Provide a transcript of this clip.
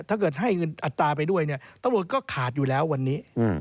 ถ้าเกิดให้เงินอัตราไปด้วยเนี่ยตำรวจก็ขาดอยู่แล้ววันนี้